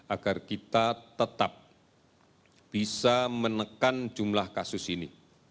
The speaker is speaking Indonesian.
agar kita tetap bisa menekan jumlah kasus ini